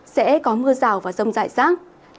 sẽ có mưa rào và rông dại rác